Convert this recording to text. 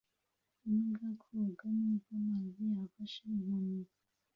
Imbwa koga nubwo amazi afashe inkoni